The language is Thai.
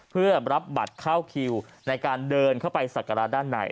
เพื่อรับบัตรเข้าคิวในการเดินเข้าไปสักการะด้านใน